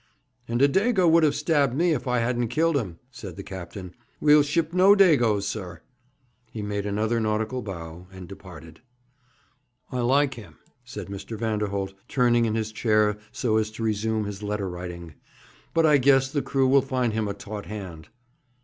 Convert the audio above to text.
'And a Dago would have stabbed me if I hadn't killed him,' said the captain. 'We'll ship no Dagos, sir.' He made another nautical bow, and departed. 'I like him,' said Mr. Vanderholt, turning in his chair so as to resume his letter writing; 'but I guess the crew will find him a taut hand.'